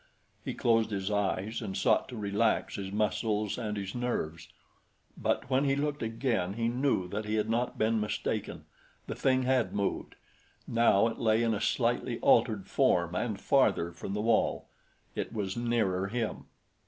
He closed his eyes and sought to relax his muscles and his nerves; but when he looked again, he knew that he had not been mistaken the thing had moved; now it lay in a slightly altered form and farther from the wall. It was nearer him.